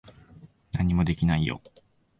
何もできないよ。